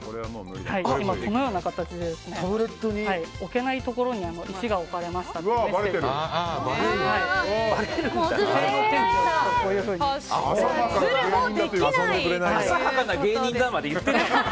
このような形で置けないところに石が置かれましたとメッセージが出されます。